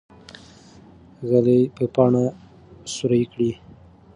ږلۍ به پاڼه سوری کړي.